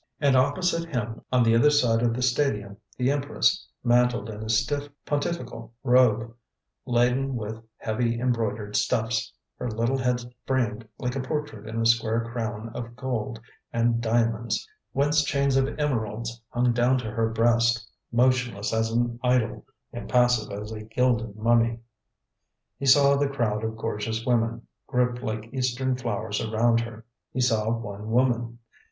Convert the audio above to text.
And opposite him, on the other side of the Stadium, the Empress, mantled in a stiff pontifical robe, laden with heavy embroidered stuffs, her little head framed like a portrait in a square crown of gold and diamonds, whence chains of emeralds hung down to her breast; motionless as an idol, impassive as a gilded mummy. He saw the crowd of gorgeous women, grouped like Eastern flowers around her: he saw one woman.